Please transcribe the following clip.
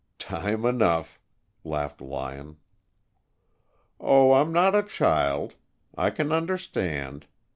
"Time enough," laughed Lyon. "Oh, I'm not a child. I can understand.